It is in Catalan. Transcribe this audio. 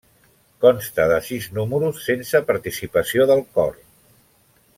Consta de sis números sense participació del cor.